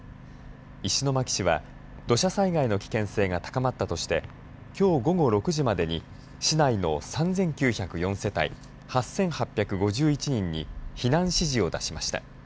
石巻市は、土砂災害の危険性が高まったとしてきょう午後６時までに市内の３９０４世帯８８５１人に避難指示を出しました。